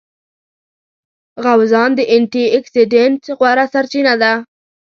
غوزان د انټي اکسیډېنټ غوره سرچینه ده.